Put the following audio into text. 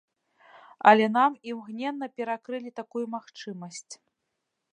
Але нам імгненна перакрылі такую магчымасць.